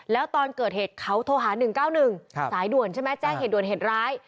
แล้วตอนเกิดเหตุเขาโทรหา๑๙๑สายด่วนใช่ไหมแจ้งเหตุด่วนเหตุร้าย